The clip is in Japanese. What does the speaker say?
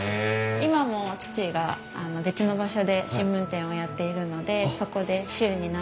今も父が別の場所で新聞店をやっているのでそこで週に何回か配達をしています。